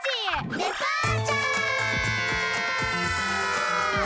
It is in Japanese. デパーチャー！